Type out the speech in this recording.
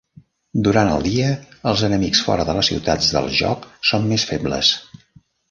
Durant el dia, els enemics fora de les ciutats del joc són més febles.